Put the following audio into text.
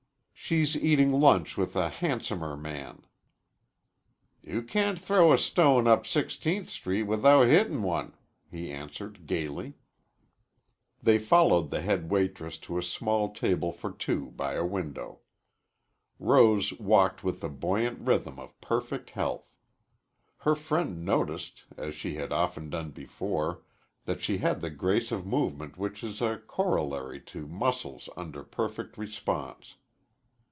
"She's eating lunch with a handsomer man." "You can't throw a stone up Sixteenth Street without hittin' one," he answered gayly. They followed the head waitress to a small table for two by a window. Rose walked with the buoyant rhythm of perfect health. Her friend noticed, as he had often done before, that she had the grace of movement which is a corollary to muscles under perfect response.